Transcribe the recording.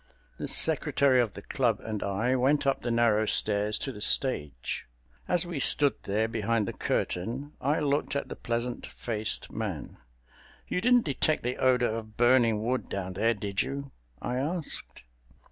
The Secretary of the Club and I went up the narrow stairs to the stage. As we stood there behind the curtain I looked at the pleasant faced man. "You didn't detect the odor of burning wood down there, did you?" I asked.